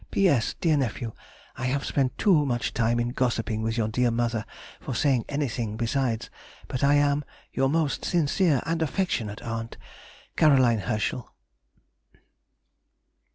P.S.—Dear Nephew, I have spent too much time in gossiping with your dear mother for saying anything besides, but I am, Your most sincere and affectionate aunt, CAR. HERSCHEL.